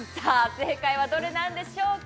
正解はどれなんでしょうか？